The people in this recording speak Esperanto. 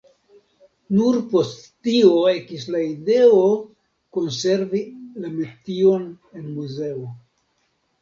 Nur post tio ekis la ideo, konservi la metion en muzeo.